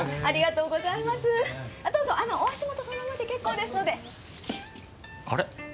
どうぞお足元そのままで結構ですのであれ？